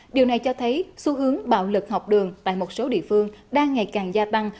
điều này cho thấy xu hướng bạo lực học đường tại một số địa phương đang ngày càng gia tăng